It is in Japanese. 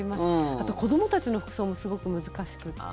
あと子どもたちの服装もすごく難しくて。